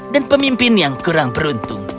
dan pemimpin yang kurang beruntung